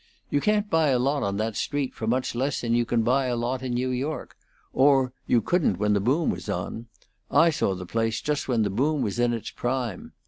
You can't buy a lot on that street for much less than you can buy a lot in New York or you couldn't when the boom was on; I saw the place just when the boom was in its prime.